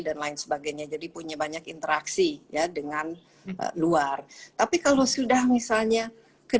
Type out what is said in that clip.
dan lain sebagainya jadi punya banyak interaksi ya dengan luar tapi kalau sudah misalnya ke